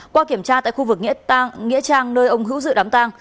qua kiểm tra tại khu vực nghĩa trang nơi ông hữu dự đám tang